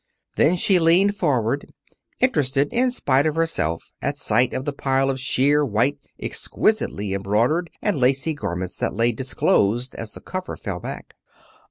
Then she leaned forward, interested in spite of herself at sight of the pile of sheer, white, exquisitely embroidered and lacy garments that lay disclosed as the cover fell back.